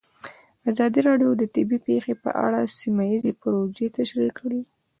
ازادي راډیو د طبیعي پېښې په اړه سیمه ییزې پروژې تشریح کړې.